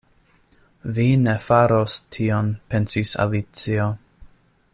“Vi ne faros tion” pensis Alicio.